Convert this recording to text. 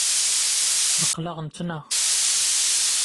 Aql-aɣ nettnaɣ